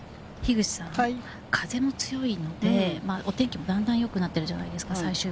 風も強いので、お天気もどんどんよくなってくるじゃないですか。